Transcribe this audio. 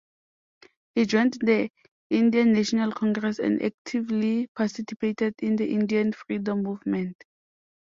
He joined the Indian National Congress and actively participated in the Indian freedom movement.